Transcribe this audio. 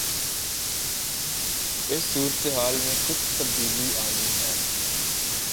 اس صورتحال میں کچھ تبدیلی آنی ہے۔